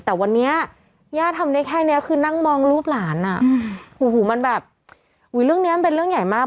แต่วันนี้ย่าทำได้แค่นี้คือนั่งมองรูปหลานอ่ะโอ้โหมันแบบอุ้ยเรื่องนี้มันเป็นเรื่องใหญ่มาก